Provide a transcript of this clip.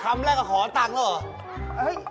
คำแรกก็ขอตังค์แล้วเหรอ